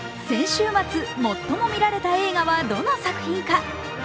先週末、最も見られた映画はどの作品か